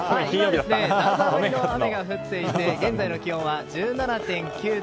お台場、雨が降っていて現在の気温は１７．９度。